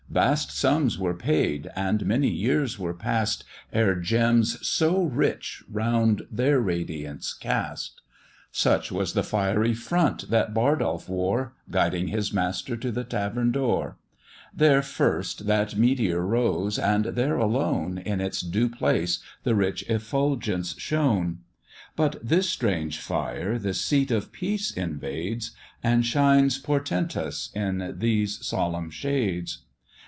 Vast sums were paid, and many years were past, Ere gems so rich around their radiance cast! Such was the fiery front that Bardolph wore, Guiding his master to the tavern door; There first that meteor rose, and there alone, In its due place, the rich effulgence shone: But this strange fire the seat of peace invades And shines portentous in these solemn shades.